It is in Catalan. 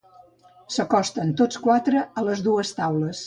S'acosten tots quatre a les dues taules.